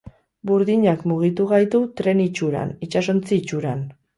Burdinak mugitu gaitu tren itxuran, itsasontzi itxuran.